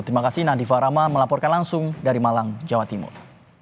terima kasih nadifa rama melaporkan langsung dari malang jawa timur